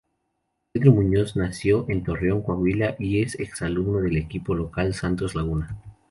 Pedro Muñoz nació en Torreón, Coahuila y ex alumno del equipo local Santos Laguna.